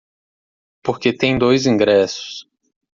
Porque tem dois ingressos